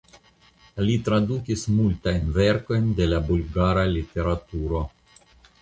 Li tradukis multajn verkojn de la bulgara literaturo.